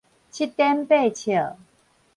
七顛八笑